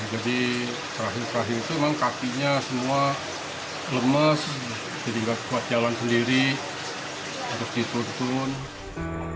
jadi terakhir terakhir itu memang kakinya semua lemes jadi gak kuat jalan sendiri harus ditutup